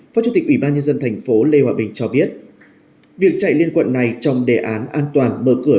phó chủ tịch ubnd tp hcm lê hoàng bình cho biết việc chạy liên quận này trong đề án an toàn mở cửa